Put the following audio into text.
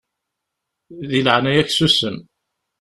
Di leɛnaya-k susem.